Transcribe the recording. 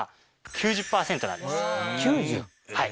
はい。